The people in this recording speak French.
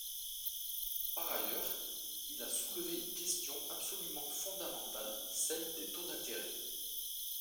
Par ailleurs, il a soulevé une question absolument fondamentale, celle des taux d’intérêt.